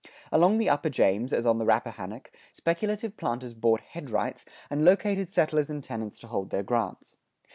Along the upper James, as on the Rappahannock, speculative planters bought headrights and located settlers and tenants to hold their grants.